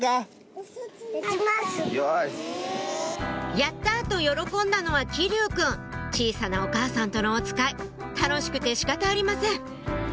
やった！と喜んだのは騎琉くん小さなお母さんとのおつかい楽しくて仕方ありません